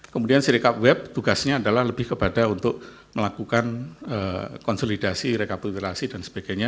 kemudian serikat web tugasnya adalah lebih kepada untuk melakukan konsolidasi rekapitulasi dan sebagainya